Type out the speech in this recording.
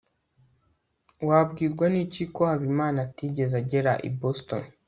wabwirwa n'iki ko habimana atigeze agera i boston